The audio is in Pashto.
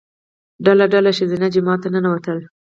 ډله ډله ښځینه جومات ته ننوتل.